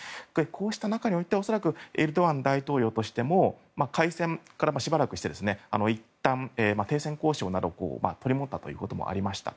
こうした中においてはエルドアン大統領としては恐らく、開戦からしばらくして停戦交渉など取り持ったということもありました。